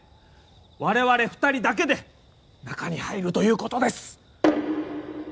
我々２人だけで中に入るということです。